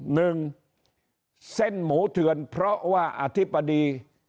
หนึ่งเส้นหมูเถื่อนเพราะว่าอธิบดี